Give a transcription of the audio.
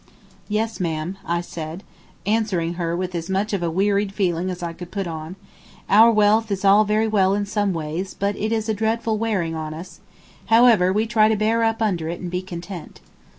"Yes, ma'am," said I, answering her with as much of a wearied feeling as I could put on, "our wealth is all very well in some ways, but it is dreadful wearing on us. However, we try to bear up under it and be content."